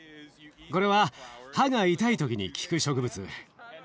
これは歯が痛い時に効く植物。